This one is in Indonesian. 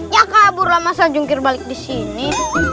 ya kabur lah masa jungkir balik disini